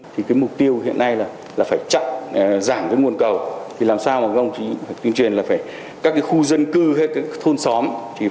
thì cái mục tiêu hiện nay là phải chặn giảm cái nguồn cầu thì làm sao mà các ông chí tuyên truyền là phải các cái khu dân cư hay các cái thôn xóm